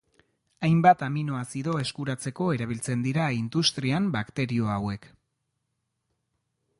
Hainbat aminoazido eskuratzeko erabiltzen dira industrian bakterio hauek.